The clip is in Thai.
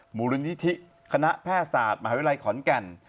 มูลนิธิคณะแพทย์ศาสตร์มหาวิทยาลัยขอนแก่น